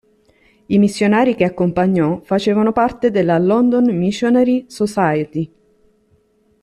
I missionari che accompagnò facevano parte della London Missionary Society.